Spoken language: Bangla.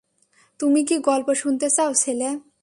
তুমি কি গল্প শুনতে চাও, ছেলে?